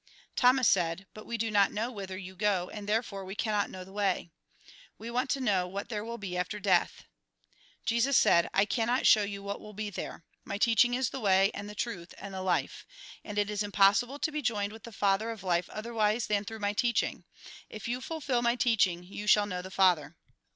Thomas said :" But we do not know whither you go, and therefore we cannot know the way. We want to know what there will be after death." Jesus said :" I cannot show you what will be there ; my teaching is the way, and the truth, and the life. And it is impossible to be joined with the Father of life otherwise than through my teaching. If you fulfil my teaching, you shall know the Father."